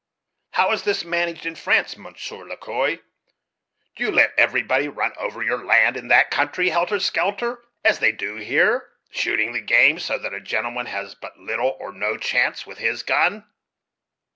How is this managed in France, Monsieur Le Quoi? Do you let everybody run over your land in that country helter skelter, as they do here, shooting the game, so that a gentleman has but little or no chance with his gun?"